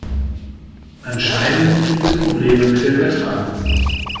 Anscheinend gibt es Probleme mit der Übertragung.